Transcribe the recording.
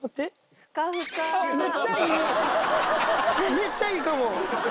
めっちゃいいかも。